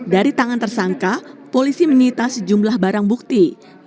dari tangan tersangka polisi menyita sejumlah barang bukti